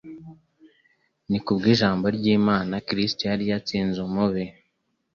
Ni kubw'Ijambo ry'Imana Kristo yari yatsinze umubi.